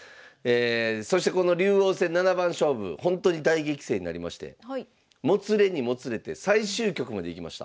そしてこの竜王戦七番勝負ほんとに大激戦になりましてもつれにもつれて最終局までいきました。